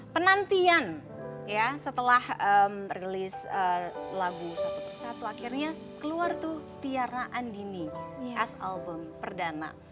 penantian ya setelah rilis lagu satu persatu akhirnya keluar tuh tiara andini khas album perdana